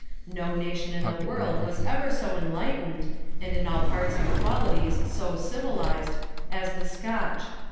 No nation in the world was ever so enlightened, and in all parts and qualities so civilised, as the Scotch.